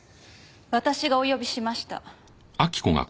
私がお呼びしました。